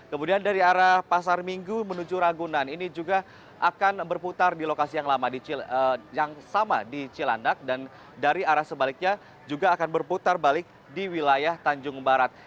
kemudian dari arah pasar minggu menuju ragunan ini juga akan berputar di lokasi yang sama di cilandak dan dari arah sebaliknya juga akan berputar balik di wilayah tanjung barat